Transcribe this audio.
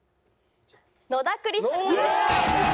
野田クリスタルさんです。